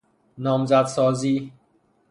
نامزدسازی